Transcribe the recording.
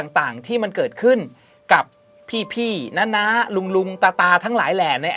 ต่างที่มันเกิดขึ้นกับพี่ณลุงตาทั้งหลายแลนใน